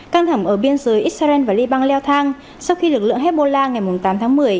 căng thẳng ở biên giới israel và liban leo thang sau khi lực lượng hezbollah ngày tám tháng một mươi